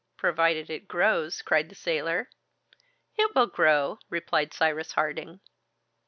"Provided it grows!" cried the sailor. "It will grow," replied Cyrus Harding.